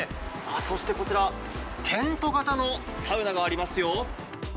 そしてこちら、テント型のサウナがありますよ。